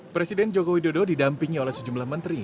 presiden joko widodo didampingi oleh sejumlah menteri